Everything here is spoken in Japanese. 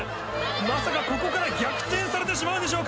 まさかここから逆転されてしまうでしょうか？